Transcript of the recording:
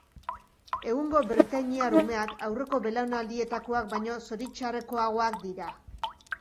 Egungo britainiar umeak aurreko belaunaldietakoak baino zoritxarrekoagoak dira.